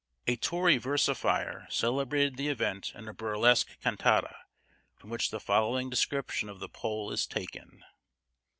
A Tory versifier celebrated the event in a burlesque cantata, from which the following description of the pole is taken.